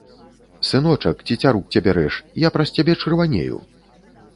Сыночак, цецярук цябе рэж, я праз цябе чырванею.